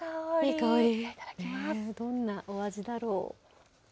どんなお味だろう。